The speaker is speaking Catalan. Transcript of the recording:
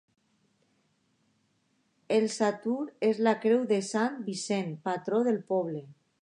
El sautor és la creu de Sant Vicenç, patró del poble.